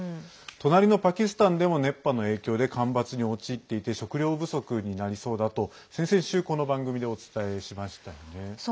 隣のパキスタンでも熱波の影響で干ばつに陥っていて食糧不足になりそうだと先々週、この番組でそうでしたよね。